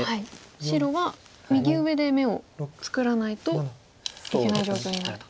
白は右上で眼を作らないといけない状況になると。